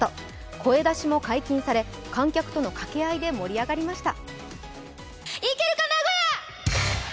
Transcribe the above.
声出しも解禁され、観客との掛け合いで盛り上がりました。